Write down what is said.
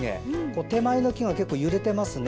手前の木が結構揺れていますね。